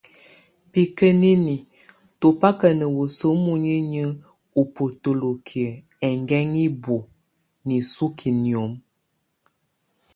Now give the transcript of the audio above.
Bikəniniə́ tɔ baka na wəsu muinəniə ubotolokiə enguenŋɛ ibóo nisuki niom.